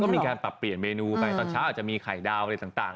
มีการปรับเปลี่ยนเมนูไปตอนเช้าอาจจะมีไข่ดาวอะไรต่าง